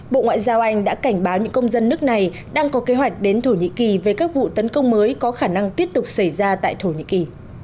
bộ ngoại giao anh đã cảnh báo những công dân nước này đang có kế hoạch đến thổ nhĩ kỳ về các vụ tấn công mới có khả năng tiếp tục xảy ra tại thổ nhĩ kỳ